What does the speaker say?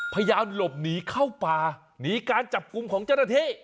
พยายามหลบหนีเข้าป่าหนีการจับกลุ่มของเจ้าหน้าที่